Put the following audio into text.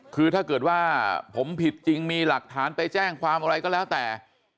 คือถ้าเกิดว่าผมผิดจริงมีหลักฐานไปแจ้งความอะไรก็แล้วแต่